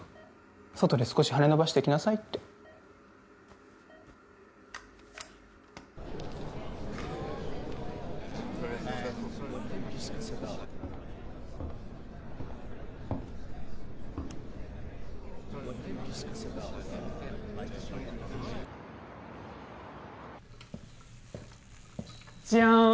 外で少し羽伸ばしてきなさいってジャーン